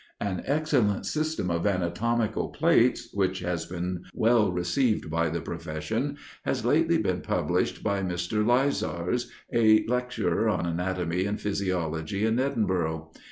An excellent system of anatomical plates, which has been well received by the profession, has lately been published by Mr. Lizars, a lecturer on anatomy and physiology, in Edinburgh.